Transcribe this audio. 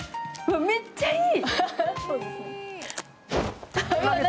めっちゃいい。